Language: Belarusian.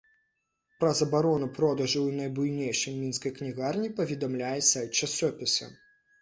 Пра забарону продажу ў найбуйнейшай менскай кнігарні паведамляе сайт часопіса.